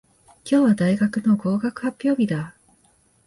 今日は大学の合格発表日だ。